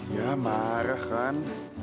ya marah kan